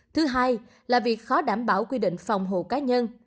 thứ hai là việc khó đảm bảo quy định phòng hộ cá nhân